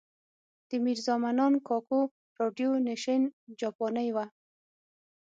د میرزا منان کاکو راډیو نېشن جاپانۍ وه.